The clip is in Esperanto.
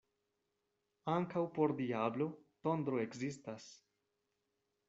Ankaŭ por diablo tondro ekzistas.